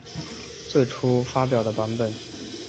最初发表的版本。